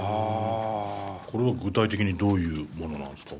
これは具体的にどういうものなんですか？